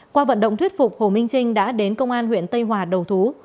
qua vận động thuyết phục hồ minh trinh đã đến công an huyện tây hòa đầu thú